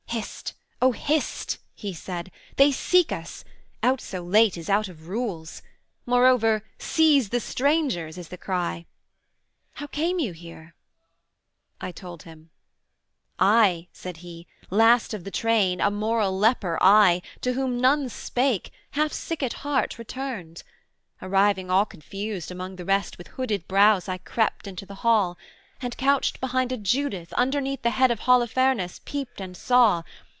'Hist O Hist,' he said, 'They seek us: out so late is out of rules. Moreover "seize the strangers" is the cry. How came you here?' I told him: 'I' said he, 'Last of the train, a moral leper, I, To whom none spake, half sick at heart, returned. Arriving all confused among the rest With hooded brows I crept into the hall, And, couched behind a Judith, underneath The head of Holofernes peeped and saw.